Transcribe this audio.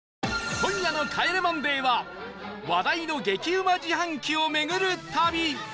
今夜の『帰れマンデー』は話題の激うま自販機を巡る旅